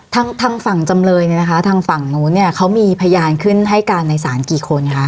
ทางทางฝั่งจำเลยเนี่ยนะคะทางฝั่งนู้นเนี่ยเขามีพยานขึ้นให้การในศาลกี่คนคะ